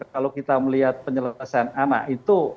kalau kita melihat penyelesaian anak itu